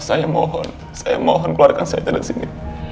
saya mohon saya mohon keluarkan saya dari sini